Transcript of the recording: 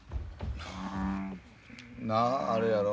なああれやろ？